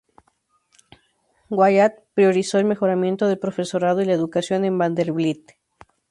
Wyatt priorizó el mejoramiento del profesorado y la educación en Vanderbilt.